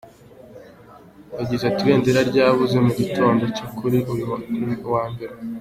Yagize ati “Ibendera ryabuze mu gitondo cyo kuri uyu wa Mbere.